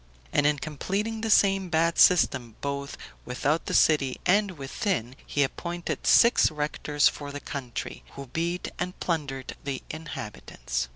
And in completing the same bad system, both without the city and within, he appointed six rectors for the country, who beat and plundered the inhabitants.